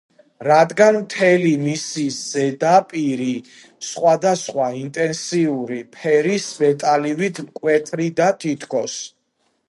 რადგან მთელი მისი ზედაპირი სხვადასხვა ინტენსიური ფერის მეტალივით მკვეთრი და თითქოს